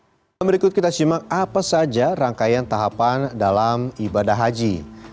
berikut kita simak apa saja rangkaian tahapan dalam ibadah haji